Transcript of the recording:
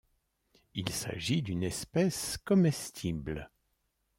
Il s'agit d'une espèce comestible.